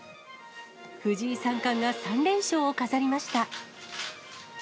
藤井三冠が３連勝を飾りました。